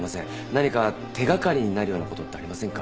何か手掛かりになるような事ってありませんか？